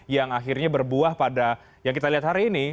yang akhirnya berbuah pada yang kita lihat hari ini